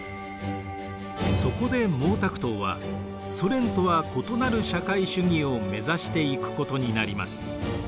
そこで毛沢東はソ連とは異なる社会主義を目指していくことになります。